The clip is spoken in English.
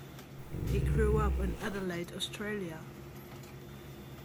He grew up in Adelaide, Australia.